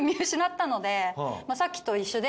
さっきと一緒で。